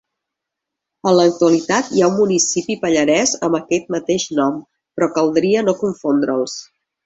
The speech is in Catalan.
En l'actualitat hi ha un municipi pallarès amb aquest mateix nom, però caldria no confondre'ls.